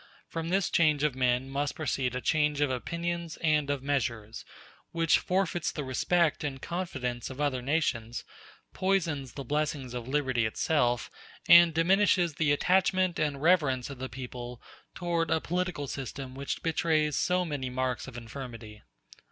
From this change of men must proceed a change of opinions and of measures, which forfeits the respect and confidence of other nations, poisons the blessings of liberty itself, and diminishes the attachment and reverence of the people toward a political system which betrays so many marks of infirmity."